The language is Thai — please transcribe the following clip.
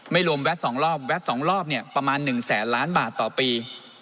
ไม่รวมแวด๒รอบแวด๒รอบประมาณ๑๐๐ล้านบาทต่อปี